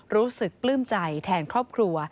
รู้สึกดลึกใจแทนครอบครัว